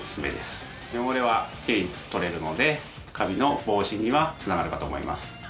汚れはきれいに取れるのでカビの防止には繋がるかと思います。